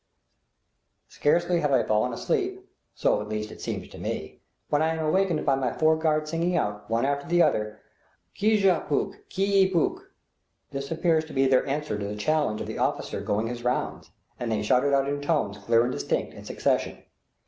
Scarcely have I fallen asleep so at least it seems to me when I am awakened by my four guards singing out, one after another, "Kujawpuk! Ki i puk!!" This appears to be their answer to the challenge of the officer going his rounds, and they shout it out in tones clear and distinct, in succession.